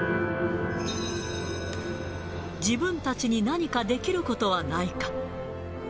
自分たちに何かできることはないか。